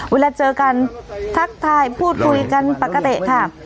เวลาเจอกันทักทายพูดคุยกันปกติค่ะ